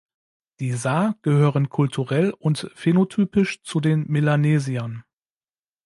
Die Sa gehören kulturell und phänotypisch zu den Melanesiern.